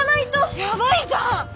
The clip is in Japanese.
ヤバいじゃん！